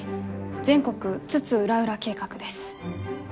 全国津々浦々計画」です。